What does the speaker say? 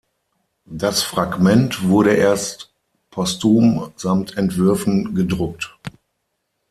Das Fragment wurde erst postum samt Entwürfen gedruckt.